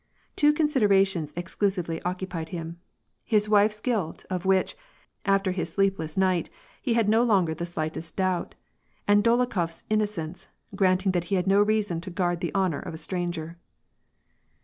Two considerations exclu sively occupied him : his wife's guilt of which, after his sleep less night, he had no longer the slightest doubt, and Dolokhof's innocence, granting that he had no reason to guard the honor of a stranger.